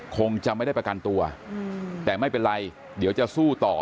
คงจะไม่ได้ประกันตัวแต่ไม่เป็นไรเดี๋ยวจะสู้ต่อ